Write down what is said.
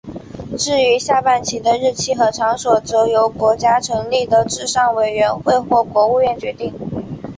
至于下半旗的日期和场所则由国家成立的治丧委员会或国务院决定。